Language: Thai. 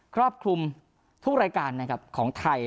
ครอบคลุมทุกรายการนะครับของไทย